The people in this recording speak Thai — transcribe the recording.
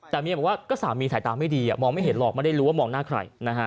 แต่เมียบอกว่าก็สามีสายตาไม่ดีมองไม่เห็นหรอกไม่ได้รู้ว่ามองหน้าใคร